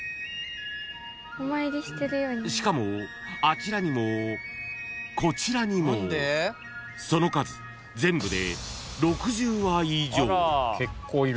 ［しかもあちらにもこちらにもその数全部で］